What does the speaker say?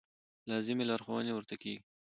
لازمې لارښوونې ورته کېږي.